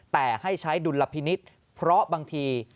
แต่ให้ใช้ดุลพินิษฐ์เพราะบางที